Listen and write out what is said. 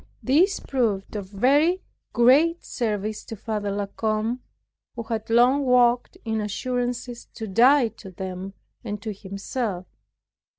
This proved of very great service to Father La Combe, who had long walked in assurances, to die to them and to Himself.